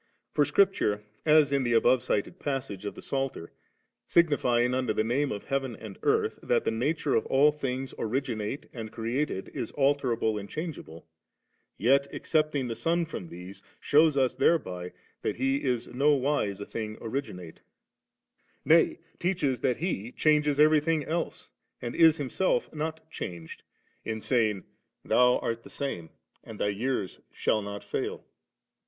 For Scripture, as in the above cited passage of the Psalter, sig nifying under the name of heaven and earth, that 3ie nature of all things originate and created is alterable and changeable, yet ex cepting the Son from these, shews us thereby that He is no wise a thing originate; nay teaches that He changes everything else, and it Himself not changed, in saying, 'Thou 4nk^fl .In. ink. a Heb xHi. 8. 5 Dtut. xxxii. 39 ; MaL iiL 6, art the same, and Thy years shall not fail^.